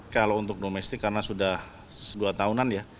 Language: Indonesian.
kalau untuk domestik karena sudah dua tahunan ya